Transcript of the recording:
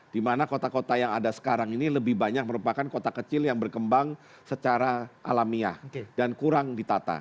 di mana kota kota yang ada sekarang ini lebih banyak merupakan kota kecil yang berkembang secara alamiah dan kurang ditata